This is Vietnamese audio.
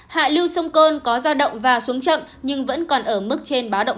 hạ lưu sông côn có giao động và xuống chậm nhưng vẫn còn ở mức trên báo động hai